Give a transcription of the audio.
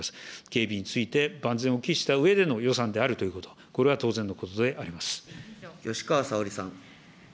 警備について万全を期したうえでの予算であるということ、これは吉川沙織さん。